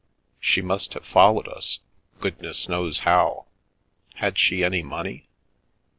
" She must have followed — goodness knows how. Had she any money